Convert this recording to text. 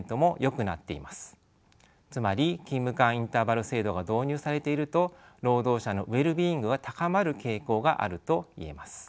つまり勤務間インターバル制度が導入されていると労働者のウェルビーイングが高まる傾向があると言えます。